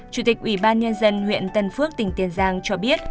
chủ tịch ủy ban nhân dân huyện tân phước tỉnh tiền giang cho biết